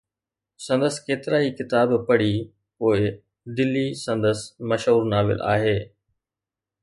سندس ڪيترائي ڪتاب پڙهي پوءِ ”دلي“ سندس مشهور ناول آهي.